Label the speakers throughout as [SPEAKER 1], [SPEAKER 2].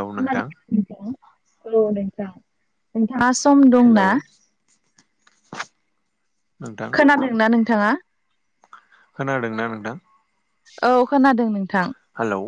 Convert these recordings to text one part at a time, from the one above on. [SPEAKER 1] Hello नोंथां
[SPEAKER 2] [unintelligible] नोंथाङा सम दं
[SPEAKER 1] हेल'
[SPEAKER 2] खोनादोंना नोंथाङा।
[SPEAKER 1] खोनादोंना नोंथां।
[SPEAKER 2] औ खोनादों नोंथां।
[SPEAKER 1] हेल'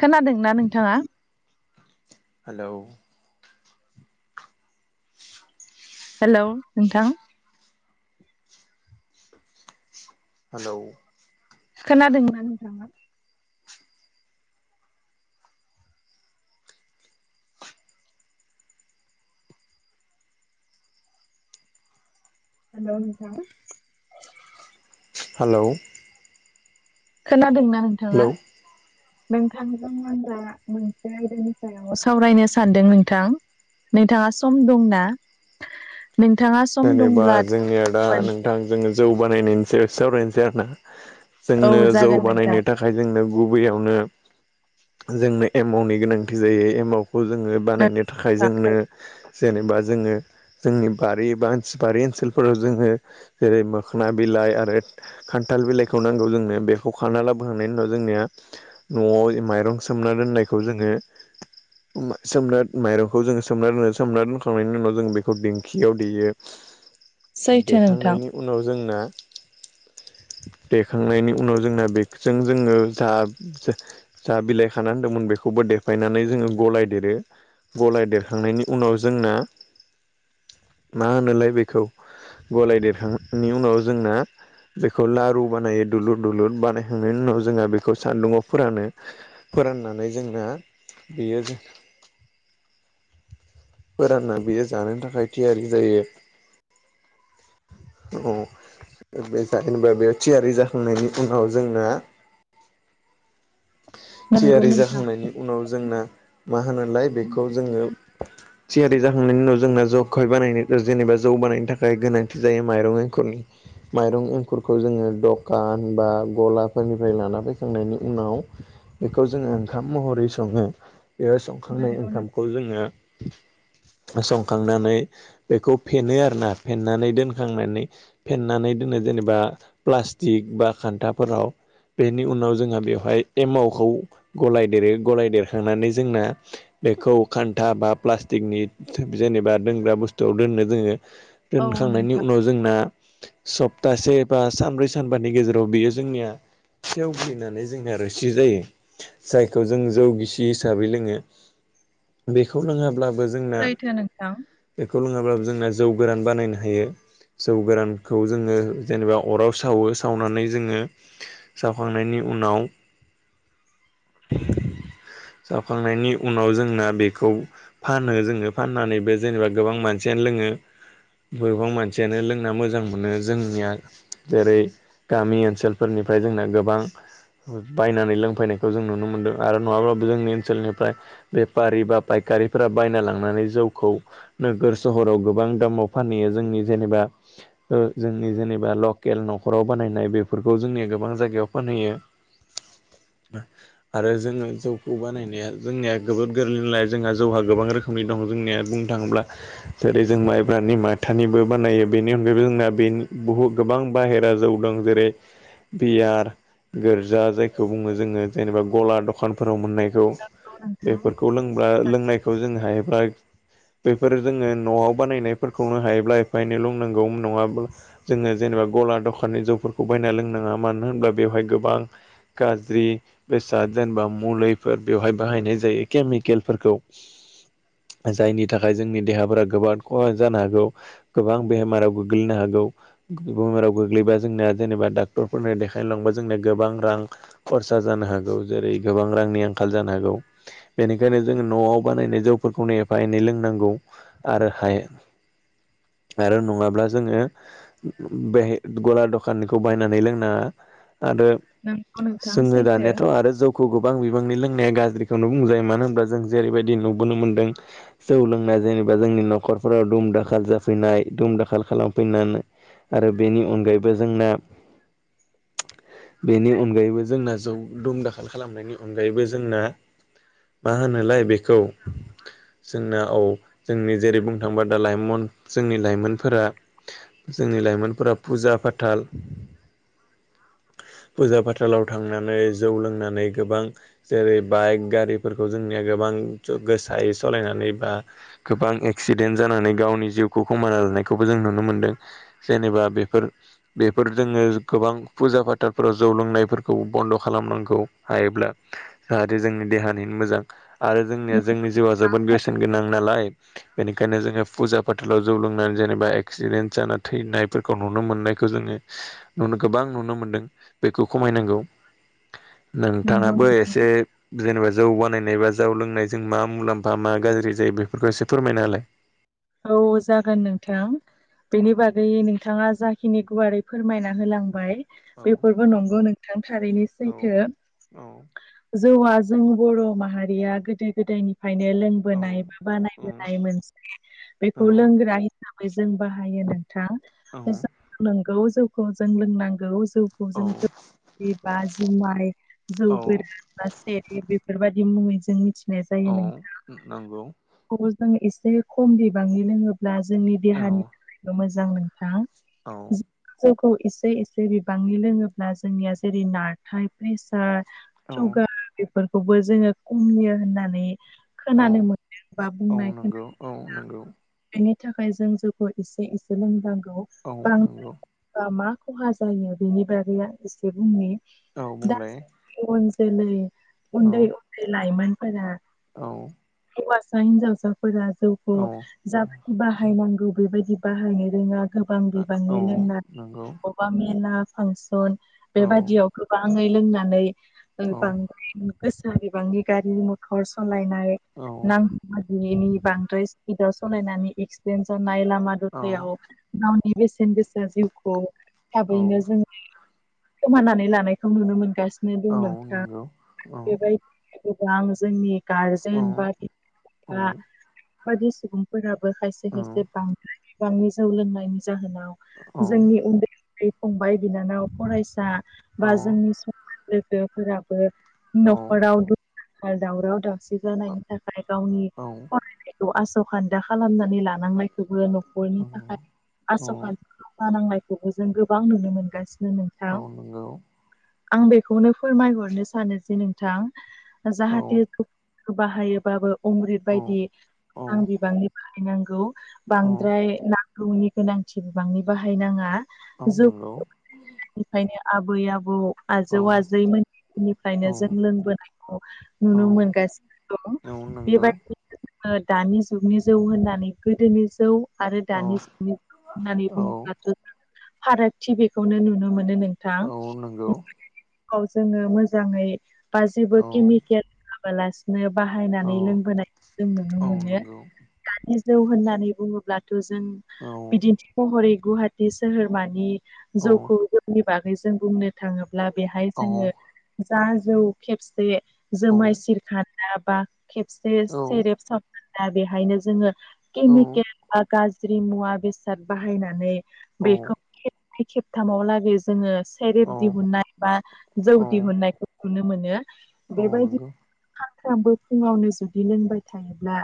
[SPEAKER 2] खोनादोंना नोंथाङा।
[SPEAKER 1] हेल'
[SPEAKER 2] हेल' नोंथां।
[SPEAKER 1] हेलौ
[SPEAKER 2] खोनादोंमोन नोंथांङा? हेलौ नोंथां!
[SPEAKER 1] हेलौ
[SPEAKER 2] खोनादोंना नोंथाङा?
[SPEAKER 1] हेलौ
[SPEAKER 2] नोंथांजों आं दा मोनसे आयदानि सायाव सावरायनो सानदों नोंथां। नोंथाङा सम दंना? नोंथाङा सम
[SPEAKER 1] जेनेबा
[SPEAKER 2] दंब्ला दा
[SPEAKER 1] जोंनिया
[SPEAKER 2] [unintelligible]
[SPEAKER 1] नोंथां जोङो जौ बानायनायनि सायाव सावरायनोसै आरोना?
[SPEAKER 2] औ
[SPEAKER 1] जोंनो जौ
[SPEAKER 2] जागोन
[SPEAKER 1] बानायनो
[SPEAKER 2] नोंथां
[SPEAKER 1] थाखाय खाय जोंनो गुबैयावनो जोंनो एमावनि गोनांथि जायो एमावखौ जोङो बानायनो थाखाय जोंनो
[SPEAKER 2] नोंथां
[SPEAKER 1] जेनेबा जोङो जोंनि बारि बानसि बारि ओनसोलफोराव जोङो जेरै मोखोन बिलाइ आरो खान्थाल बिलाइखौ नांगौ जोंनो बेखौ खाना लाबोखांनायनि उनाव जोंनिया न'आव माइरं सोमना दोननायखौ जोङो सोमना माइरंखौ जोङो सोमना दोनो सोमना दोनखांनायनि उनाव जों बेखौ दिंखियाव देयो
[SPEAKER 2] सैथो नोंथां
[SPEAKER 1] देखांनायनि उनाव जोंना देखांनायनि उनाव जोंना बेजों जोङो जाब जा बिलाइ खाना होनदोंमोन बेखौबो देफायनानै जोङो गलायदेरो गलाय देरखांनायनि उनाव जोंना मा होनोलाय बेखौ गलायदेरखांनायनि उनाव जोंना बेखौ लारु बानायो दुलुर दुलुर बानायखांनायनि उनाव जोंहा बेखौ सान्दुङआव फोरानो फोराननानै जोंना बेयो
[SPEAKER 2] [inaudible]
[SPEAKER 1] फोरानना बियो जानोनि थाखाय थियारि जायो औ बे जाहिनबा बेयाव थियारि जाखांनायनि उनाव जोंना
[SPEAKER 2] [inaudible] नंगौ
[SPEAKER 1] थियारि
[SPEAKER 2] नोंथां
[SPEAKER 1] जाखांनायनि उनाव जोंना मा होनोलाय बेखौ जोङो थियारि जाखांनायनि उनाव जोंना ज'हाय बानायनाय जेनेबा जौ बानायनो थाखाय गोनांथि जायो माइरं एंखुरनि माइरं एंखुरखौ जोङो दखान बा गलाफोरनिफ्राय लाना फैखांनायनि उनाव बेखौ जोङो ओंखाम महरै सङो बे संखांनाय
[SPEAKER 2] नंगौ नों
[SPEAKER 1] ओंखामखौ जोङो संखांनानै बेखौ फेनो आरोना। फेनानै दोनखांनानै फेनानै दोनो जेनेबा प्लास्टिक बा खान्थाफोराव बेनि उनाव जोंहा बेवहाय एमावखौ गलायदेरो गलाय देरखांनानै जोंना बेखौ खान्था बा प्लास्टिकनि जेनेबा दोंग्रा बुस्थु आव दोननो जोङो
[SPEAKER 2] औ
[SPEAKER 1] दोनखांनायनि
[SPEAKER 2] नोंथां
[SPEAKER 1] उनाव जोंना सप्तासे बा सानब्रै सानबानि गेजेराव बियो जोंनिया खाथियाव [unintelligible] जोंहा रोसि जायो जायखौ जों जौगिसि हिसाबै लोङो। बेखौ लोङाब्ला
[SPEAKER 2] सैथो नोंथां
[SPEAKER 1] बेखौ लोङाब्लाबो जोंना जौ गोरान बानायनो हायो जौ गोरानखौ जोङो जेनेबा अराव सावो सावनानै जोङो सावखांनायनि उनाव। सावखांनायनि उनाव जोंना बेखौ। फानो जोङो फाननानै बे जेनेबा गोबां मानसियानो लोङो। बबेबां मानसियानो लोंना मोजां मोनो। जोंनिया जेरै। गामि ओनसोलफोरनिफ्राय जोंना गोबां बायनानै लोंफैनायखौ जों नुनो मोनदों, आरो नङाबा जोंनि ओनसोलनिफ्राय बेफारि बा फायखारिफोरा बायना लांनानै जौखौ। नोगोर सहराव गोबां दामाव फानहैयो जोंनि जेनेबा ओ जोंनि जेनेबा लकेल न'खराव बानायनाय बेफोरखौ जोंनि गोबां जायगायाव फानहैयो।
[SPEAKER 2] [inaudible]
[SPEAKER 1] आरो जोङो जौ खौ बानायनाया जोंनिया जोबोर गोरलै नालाय जोंहा जौहा गोबां रोखोमनि दङ जोंनिया बुंनो थाङोब्ला जेरै जों माइब्रानि माथानिबो बानायो बेनि अनगायैबो जोंना बेन बुहुद गोबां बाहेरा जौ दों जेरै बियार गोरजा जायखौ बुङो जोङो जेनेबा गला दखानफोर राव मोननायखौ
[SPEAKER 2] नंगौ नोंथां
[SPEAKER 1] बेफोरखौ लोंब्ला लोंनायखौ जों हायोब्ला बेफोर जोङो न'आव बानायनायफोरखौनो हायोब्ला एफा एनै लोंनांगौ नङाब्ला जोङो जेनेबा गला दखाननि जौफोरखौ बायना लोंनाङा मानो होनोबा बेवहाय गोबां गाज्रि बेसाद जेनबा मुलिफोर बेवहाय बाहायनाय जायो केमिकेलफोरखौ। जायनि थाखाय जोंनि देहाफोरा गोबाद खहा जानो हागौ। गोबां बेमाराव गोग्लैनो हागौ। बेमाराव गोग्लैबा जोंनिया जेनेबा डाक्टरफोरनो देखायनो लांबा जोंनिया गोबां रां खरसा जानो हागौ जेरै गोबां रांनि आंखाल जानो हागौ। बेनिखायनो जों न'आव बानायनाय जौफोरखौनो एफा एनै लोंनांगौ। आरो हाय आरो नङाब्ला जोङो बेहाय गला दख खाननिखौ बायनानै लोंनाङा आरो
[SPEAKER 2] नंगौ नोंथां
[SPEAKER 1] जोङो
[SPEAKER 2] सैथो
[SPEAKER 1] दानियाथ' आरो जौ खौ गोबां बिबांनि लोंनाया गाज्रिखौनो बुंजायो मानो होनब्ला जों जेरैबायदि नुबोनो मोन्दों। जौ लोंनाय जेनेबा जोंनि न'खरफोराव दुम दाखाल जाफैनाय दुम दाखाल खालामफैना आरो बेनि अनगायैबो जोंना
[SPEAKER 2] [inaudible]
[SPEAKER 1] बेनि अनगायैबो जोंना जौ दुम दाखाल खालामनायनि अनगायैबो जोंना मा होनोलाय बेखौ जोंना औ जोंनि जेरै बुंनो थांबा दा लाइमन जोंनि लाइमोनफोरा जोंनि लाइमोनफोरा फुजा फाथाल फुजा फाथालाव थांनानै जौ लोंनानै गोबां जेरै बाइक गारिफोरखौ जोंनिया गोबां ज गोसायै सालायनानै बा गोबां एक्सिडेन्ट जानानै गावनि जिउखौ खोमाना लानायखौबो जों नुनो मोनदों। जेनेबा बेफोर बेफोर जोङो गोबां फुजा फाथालफोराव जौ लोंनायफोरखौ बन्द' खालामनांगौ। हायोब्ला जाहाथे जोंनि देहानिनो मोजां। आरो जोंनिया जोंनि जिउआ जोबोद बेसेन गोनां नालाय। बेनिखायनो जोङो फुजा फाथालाव जौ लोंनानै जेनेबा एक्सिडेन्ट जाना थैनाय फोरफोरखौ नुनो मोननायखौ जोङो नुनो गोबां नुनो मोनदों बेखौ खमायनांगौ।
[SPEAKER 2] नंगौ
[SPEAKER 1] नोंथाङाबो
[SPEAKER 2] नोंथां
[SPEAKER 1] एसे जेनेबा जौ बानायनाय बा जौ लोंनायजों मा मुलाम्फा मा गाज्रि जायो बेफोरखौ एसे फोरमायनाहोलाय।
[SPEAKER 2] औ जागोन नोंथां। बेनि बागै नोंथाङा जाखिनि गुवारै फोरमायना होलांबाय।
[SPEAKER 1] औ
[SPEAKER 2] बेफोरबो नंगौ नोंथां थारैनो
[SPEAKER 1] औ
[SPEAKER 2] सैथो।
[SPEAKER 1] औ
[SPEAKER 2] जौआ जों बर' माहारिया गोदो गोदायनिफ्रायनो लों
[SPEAKER 1] औ
[SPEAKER 2] बोनाय बा बानाय
[SPEAKER 1] औ
[SPEAKER 2] बोनाय मोन बेखौ लोंग्रा हिसाबै जों बाहायो नोंथां जे जों नंगौ जौखौ जों लोंनांगौ जौ खौ
[SPEAKER 1] औ
[SPEAKER 2] जों बे बा जुमाइ जौ
[SPEAKER 1] औ
[SPEAKER 2] गोरन बा सेरेब बेफोरबायदि मुङै जों मिथिनाय जायो
[SPEAKER 1] औ
[SPEAKER 2] नोंथां।
[SPEAKER 1] नंगौ
[SPEAKER 2] खौबो जों एसे खम बिबांनि लोङोब्ला जोंनि
[SPEAKER 1] औ
[SPEAKER 2] देहानि थाखायबो मोजां नोंथां।
[SPEAKER 1] औ
[SPEAKER 2] जौखौ एसे एसे बिबांनि लोङोब्ला जोंनिया जेरै नारथाय प्रेसार
[SPEAKER 1] औ
[SPEAKER 2] सुगार बेफोरखौबो जोङो खमियो होननानै
[SPEAKER 1] औ
[SPEAKER 2] खोनानो मोनो बा
[SPEAKER 1] औ
[SPEAKER 2] बुंनाय खो
[SPEAKER 1] नंगौ औ नंगौ
[SPEAKER 2] बेनि थाखाय जों जौखौ एसे एसे लोंनांगौ।
[SPEAKER 1] औ नंगौ
[SPEAKER 2] बा मा खहा जायो बेनि बागैआ एसे बुंनि
[SPEAKER 1] औ बुंलाय
[SPEAKER 2] उन जोलै उन्दै उन्दै लाइमोनफोरा
[SPEAKER 1] औ
[SPEAKER 2] हौवासा हिनजावसाफोरा जौखौ जाबायदि बाहायनांगौ बेबायदि बाहायनो रोङा गोबां बिबांनि
[SPEAKER 1] औ
[SPEAKER 2] लोंनानै
[SPEAKER 1] नंगौ
[SPEAKER 2] बा मेला फांसन
[SPEAKER 1] औ
[SPEAKER 2] बेबायदियाव गोबाङै लोंनानै
[SPEAKER 1] औ
[SPEAKER 2] बांद्राय गोसा बिबांनि गारि मथर सालायनाय
[SPEAKER 1] औ
[SPEAKER 2] नांगौ मादिनि बांद्राय स्पिदाव सालायनानै एक्सिडेन्ट जानाय लामा दथायाव गावनि बेसेन गोसा जिउखौ
[SPEAKER 1] औ
[SPEAKER 2] थाबैनो जोङो खोमानानै लानायखौ नुनो मोनगासिनो दं
[SPEAKER 1] औ
[SPEAKER 2] नोंथा
[SPEAKER 1] नंगौ औ
[SPEAKER 2] बेबायदि गोबां जोंनि गारजेन
[SPEAKER 1] औ
[SPEAKER 2] बा
[SPEAKER 1] औ नंगौ
[SPEAKER 2] बिफा बायदि सुबुंफोरा खायसे खायसे बांद्राय बिबांनि जौ लोंनायनि जाहोनाव जोंनि उन्दै बे फंबाय बिनानाव फरायसा बा जोंनि समान लोगोफोराबो न'खराव दुम दाखाल दावराव दावसि जानायनि थाखाय गावनि फरायनाय खौ आस'खान्दा खालामनानै लानांनायखौबो न'खरनि थाखाय आस'खान्दा फा नांनायखौबो जों गोबां नुनो मोनगासिनो नोंथां
[SPEAKER 1] औ नंगौ
[SPEAKER 2] आं बेखौनो फोरमायहरनो सानो जे नोंथां जाहाथे बाहायोबाबो अम्रिद बायदि आं बिबांनि बाहायनांगौ बांद्राय ना गौनि गोनांथि बिबांनि बाहायनाङा जौ [unintelligible] फायनो आबै आबौ आजौ आजै मोननिफ्रायनो जों लोंबोनायखौ नुनो मोनगासिनो दं बेबायदि दानि जुगनि जौ होननानै गोदोनि जौ आरो दानि जुगनि जौ होननानै बुङोब्लाथ' फारागथि बेखौनो नुनो मोनो नोंथां। औ जोङो मोजाङै बा जेबो केमिकेल होयाबालासि नों बाहायनानै लोंबोनाय
[SPEAKER 1] औ नंगौ
[SPEAKER 2] दानि जौ होननानै बुङोब्लाथ' जों बिदिन्थि महरै गुवाहा टि सोहोरमानि जौखौ जौनि बागै जों बुंनो थाङोब्ला बेहाय जोङो जा जौ खेबसे जोमाय सेरखा दा बा खेबसे सेरेप [unintelligible] बेहायनो जोङो केमिकेल गाज्रि मुवा बेसाद बाहायनानै बेखौ खेबनै खेबथामाव लागै जोङो सेरेब दिहुननाय बा जौ दिहुनायखौ नुनो मोनो बेबायदि सानफ्रामबो फुङावनो जुदि लोंबाय थायोब्ला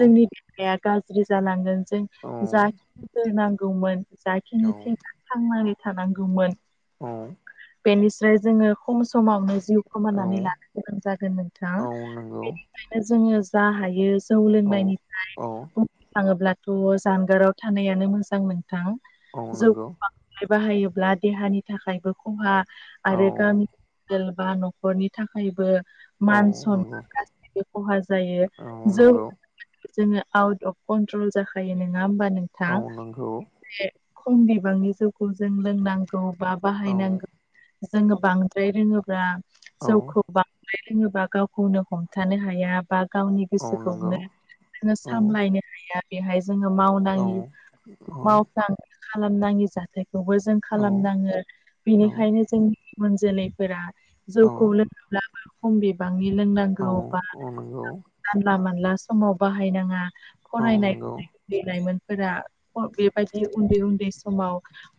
[SPEAKER 2] जोंनि देहाया गाज्रि जालांगोन जों जाखिनि होनांगौमोन जाखिनि थांनानै थानांगौमोन
[SPEAKER 1] उम
[SPEAKER 2] बेनिस्राय जोङो खम समावनो जिउ खोमानानै लानो गोनां जागोन नोंथाङा बेनिखायनो जोङो जा हायो जौ लोंनायनिफ्राय बुंनो थाङोब्ला थ' जानगाराव थानायानो मोजां नोंथां जौखौ बाहायोब्ला देहानि थाखायबो खहा आरो
[SPEAKER 1] औ
[SPEAKER 2] गामि बा न'खरनि थाखायबो
[SPEAKER 1] औ
[SPEAKER 2] मान
[SPEAKER 1] नंगौ
[SPEAKER 2] सनमान गासैबो खहा जायो।
[SPEAKER 1] औ
[SPEAKER 2] जों
[SPEAKER 1] नंगौ
[SPEAKER 2] जोङो आउट अफ कन्ट्रल जाखायो नङा होमबा नोंथां
[SPEAKER 1] औ नंगौ
[SPEAKER 2] एसे खम बिबांनि जौखौ जों लोंनांगौ बा
[SPEAKER 1] औ
[SPEAKER 2] बाहायनांगौ। जोङो बांद्राय रोङोब्ला
[SPEAKER 1] औ
[SPEAKER 2] जौखौ बांद्राय लोङोबा गावखौनो हमथानो हाया बा गावनि
[SPEAKER 1] औ नंगौ
[SPEAKER 2] गोसोखौनो
[SPEAKER 1] औ
[SPEAKER 2] सामलायनो हाया बेहाय जोङो
[SPEAKER 1] औ
[SPEAKER 2] मावनाङिखौबो मावफ्लांङो। खालामनाङि जाथायखौबो जों
[SPEAKER 1] औ
[SPEAKER 2] खालामनाङो बेनिखायनो
[SPEAKER 1] औ
[SPEAKER 2] जों नि इयुन जोलैफोरा जौखौ लोङाब्लाबो खम बिबांनि
[SPEAKER 1] औ
[SPEAKER 2] लोंनांगौ बा
[SPEAKER 1] औ नंगौ
[SPEAKER 2] जानला मोनला समाव बाहायनाङा फरायनाय लाइमोनफोरा गौ बेबायदि उन्दै उन्दै समाव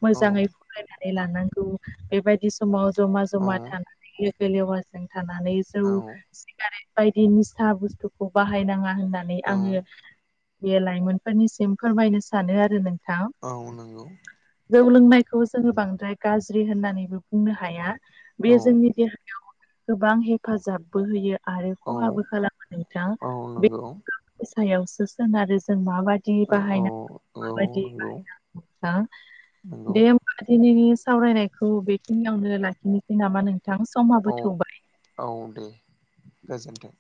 [SPEAKER 2] मोजाङै फरायनानै लानांगौ बेबायदि समाव जमा जमा थानानै लोगो लेवाजों थानानै जौ सिगारेट बायदि निसा बुस्थुखौ बाहायनाङा होननानै आङो बे लाइमोनफोरनिसिम फोरमायनो सानो आरो नोंथां।
[SPEAKER 1] औ नंगौ
[SPEAKER 2] जौ लोंनायखौ जोङो बांद्राय गाज्रि होननानैबो बुंनो हाया। बेयो जोंनि देहायाव गोबां हेफाजाबबो होयो आरो खहाबो खालामो। बे गावनि सायावसो सोनारो जों माबायदि बाहायना माबादि [unintelligible] बाहायनांगौ दे होमबा दिनैनि सावरायनायखौ बेखिनियावनो लाखिनोसै नामा नों थां समाबो थौबाय।
[SPEAKER 1] औ दे गोजोनथों